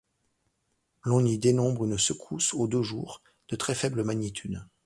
L'on y dénombre une secousse aux deux jours, de très faible magnitude.